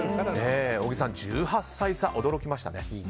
小木さん、１８歳差驚きましたね。